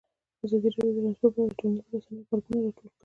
ازادي راډیو د ترانسپورټ په اړه د ټولنیزو رسنیو غبرګونونه راټول کړي.